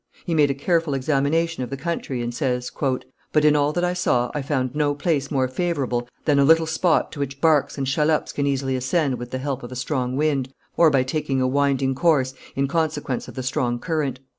He made a careful examination of the country, and says: "But in all that I saw I found no place more favourable than a little spot to which barques and shallops can easily ascend with the help of a strong wind, or by taking a winding course, in consequence of the strong current.